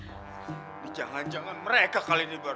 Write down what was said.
ini jangan jangan mereka kali ini baru